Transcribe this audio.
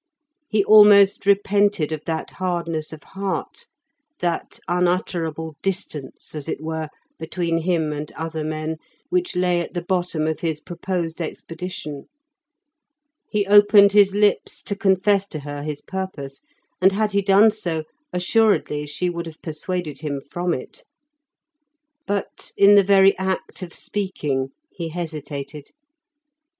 He almost repented of that hardness of heart, that unutterable distance, as it were, between him and other men, which lay at the bottom of his proposed expedition. He opened his lips to confess to her his purpose, and had he done so assuredly she would have persuaded him from it. But in the very act of speaking, he hesitated.